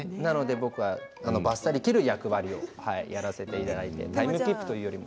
僕は、ばっさり切る役割をやらせていただいてタイムキープというよりも。